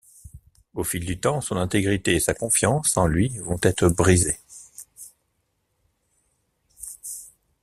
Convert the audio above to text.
Au fil du temps, son intégrité et sa confiance en lui vont être brisés.